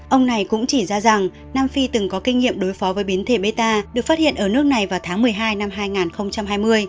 ông này cũng chỉ ra rằng nam phi từng có kinh nghiệm đối phó với biến thể meta được phát hiện ở nước này vào tháng một mươi hai năm hai nghìn hai mươi